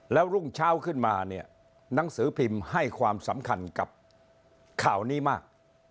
แล้วรุ่งเช้าขึ้นมาเนี่ยหนังสือพิมพ์ให้ความสำคัญกับข่าวนี้มาก